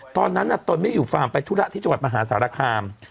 ตอนนั้นตนไม่อยู่ฟาร์มไปธุระที่จังหวัดมหาสารคาม